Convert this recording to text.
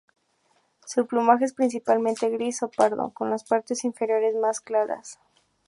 Su plumaje es principalmente gris o pardo, con las partes inferiores más claras.